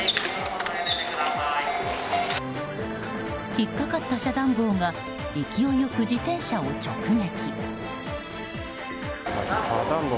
引っかかった遮断棒が勢いよく自転車を直撃。